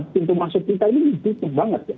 pintu masuk kita ini tutup banget ya